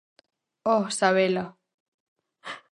-Oh, Sabela!